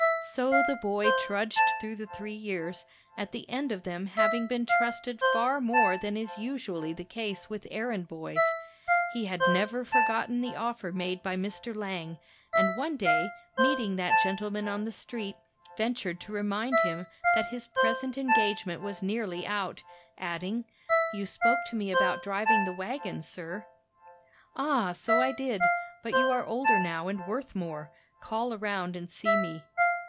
So the boy trudged through the three years, at the end of them having been trusted far more than is usually the case with errand boys. He had never forgotten the offer made by Mr. Lang, and one day, meeting that gentleman on the street, ventured to remind him that his present engagement was nearly out, adding, "You spoke to me about driving the wagon, sir." "Ah, so I did; but you are older now and worth more. Call around and see me."